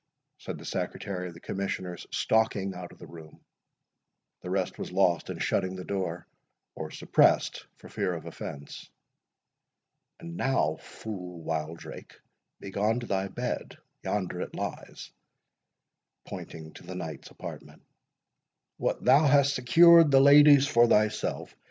said the Secretary of the Commissioners, stalking out of the room—the rest was lost in shutting the door, or suppressed for fear of offence. "And now, fool Wildrake, begone to thy bed—yonder it lies," pointing to the knight's apartment. "What, thou hast secured the lady's for thyself?